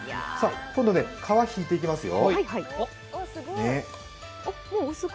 今度ね、皮、引いていきますよ。